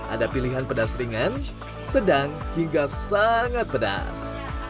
ada pilihan pedas ringan sedang hingga sangat pedas